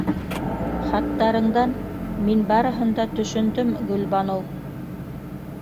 Хаттарыңдан... мин барыһын да төшөндөм, Гөлбаныу...